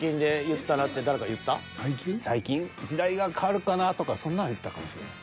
「時代が変わるかな」とかそんなんは言ったかもしれない。